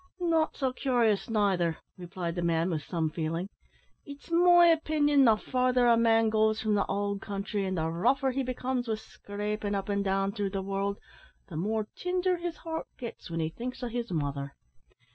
"Not so cur'ous neither," replied the man, with some feeling; "it's my opinion, the further a man goes from the owld country, and the rougher he becomes wi' scrapin' up and down through the world, the more tinder his heart gits when he thinks o' his mother.